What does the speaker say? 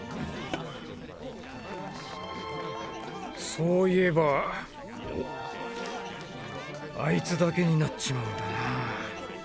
そういえばあいつだけになっちまうんだな。